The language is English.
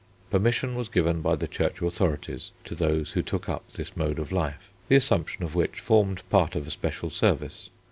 Permission was given by the Church authorities to those who took up this mode of life, the assumption of which formed part of a special service.